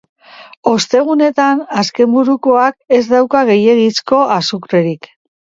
Ostegunetan azkenburukoak ez dauka gehiegizko azukrerik.